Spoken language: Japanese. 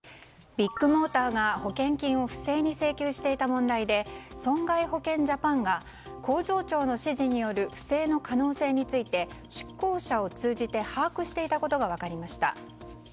ビッグモーターが保険金を不正に請求していた問題で損害保険ジャパンが工場長の指示による不正の可能性について出向者を通じて把握していたことが分かりました。